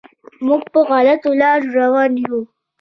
موږ په غلطو لارو روان یم.